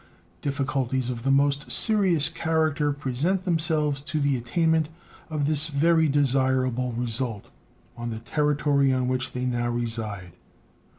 Difficulties of the most serious character present themselves to the attainment of this very desirable result on the territory on which they now reside.